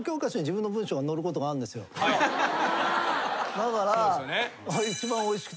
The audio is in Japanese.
だから。